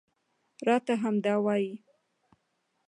راته همدا وايي